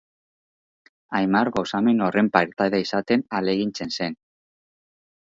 Aimar gozamen horren partaide izaten ahalegintzen zen.